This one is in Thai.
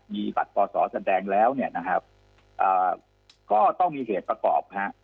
มีบัตรป่อสอแสดงแล้วก็ต้องมีเหตุประกอบ